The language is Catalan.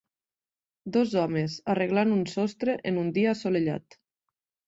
Dos homes arreglant un sostre en un dia assolellat.